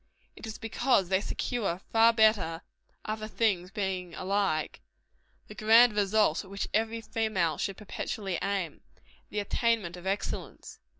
It is because they secure, far better other things being alike the grand result at which every female should perpetually aim the attainment of excellence.